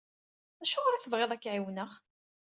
Acuɣer i tebɣiḍ ad k-ɛiwneɣ?